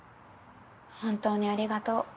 本当にありがとう。